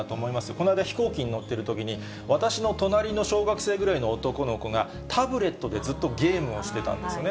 この間、飛行機に乗っているときに、私の隣の小学生ぐらいの男の子が、タブレットでずっとゲームをしてたんですよね。